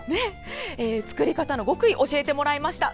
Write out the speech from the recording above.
作り方の極意教えてもらいました。